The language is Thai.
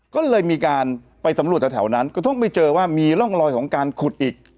ก็เลยมีการไปสำรวจแถวนั้นก็ต้องไปเจอว่ามีร่องรอยของการขุดอีก